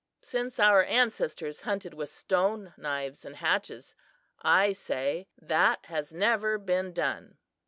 Since our ancestors hunted with stone knives and hatchets, I say, that has never been done."